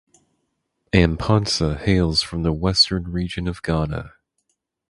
Amponsah hails from the Western Region of Ghana.